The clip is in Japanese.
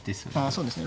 そうですね。